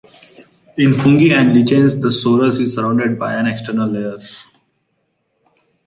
In fungi and lichens, the sorus is surrounded by an external layer.